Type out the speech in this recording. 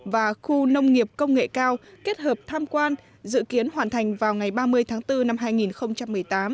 và khu nông nghiệp công nghệ cao kết hợp tham quan dự kiến hoàn thành vào ngày ba mươi tháng bốn năm hai nghìn một mươi tám